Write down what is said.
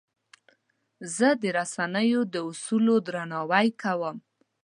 زه د رسنیو د اصولو درناوی کوم.